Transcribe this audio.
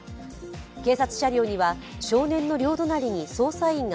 警察車両には少年の両隣に捜査員が